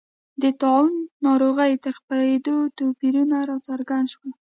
د طاعون ناروغۍ تر خپرېدو توپیرونه راڅرګند شول.